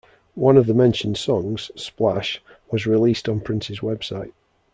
One of the mentioned songs, "Splash" was released on Prince's website.